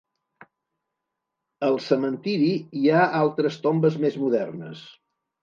Al cementiri hi ha altres tombes més modernes.